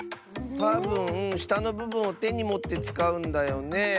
たぶんしたのぶぶんをてにもってつかうんだよね？